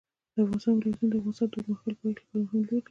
د افغانستان ولايتونه د افغانستان د اوږدمهاله پایښت لپاره مهم رول لري.